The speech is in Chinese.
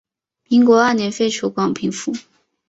民国二年废除广平府。